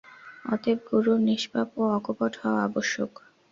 অতএব গুরুর নিষ্পাপ ও অকপট হওয়া আবশ্যক।